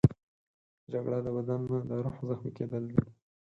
جګړه د بدن نه، د روح زخمي کېدل دي